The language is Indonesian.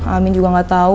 amin juga gak tau